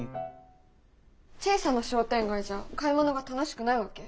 小さな商店街じゃ買い物が楽しくないわけ？